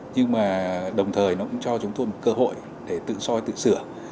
nhưng mà đồng thời nó cũng cho chúng tôi một cơ hội để tự soi tự sửa